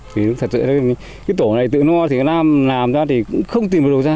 thì thật sự là cái tổ này tự lo thì làm ra thì cũng không tìm được đầu ra